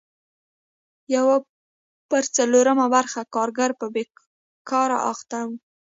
یو پر څلورمه برخه کارګر په بېګار اخته وو.